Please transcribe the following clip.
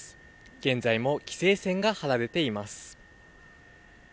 現在も規制線が張られています。